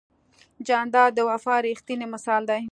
جانداد د وفا ریښتینی مثال دی.